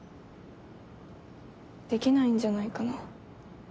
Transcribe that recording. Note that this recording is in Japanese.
「できないんじゃないかな」